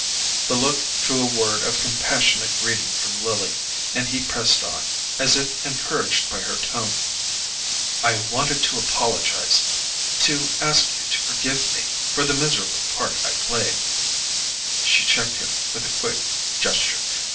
The look drew a word of compassionate greeting from Lily, and he pressed on, as if encouraged by her tone: "I wanted to apologize—to ask you to forgive me for the miserable part I played——" She checked him with a quick gesture.